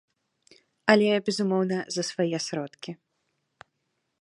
Але, безумоўна, за свае сродкі.